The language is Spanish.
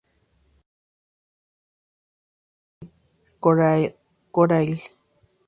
Está ubicado en el pueblo de Plaine Corail.